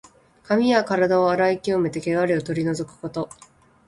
髪やからだを洗い清めて、けがれを取り除くこと。